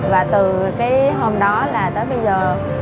và từ cái hôm đó là tới bây giờ